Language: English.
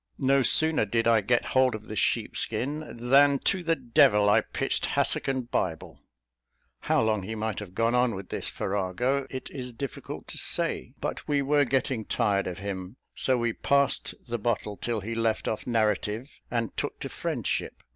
No sooner did I get hold of the sheepskin, than to the devil I pitched hassock and bible." How long he might have gone on with this farrago, it is difficult to say; but we were getting tired of him, so we passed the bottle till he left off narrative, and took to friendship.